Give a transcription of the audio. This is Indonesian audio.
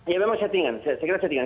ya memang settingan